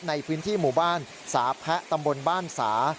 ในพื้นที่หมู่บ้านสาแพะตำบลบ้านสา